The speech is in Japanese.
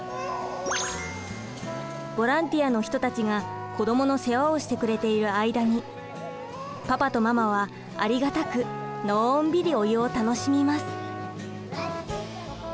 ボランティアの人たちが子どもの世話をしてくれている間にパパとママはありがたくのんびりお湯を楽しみます。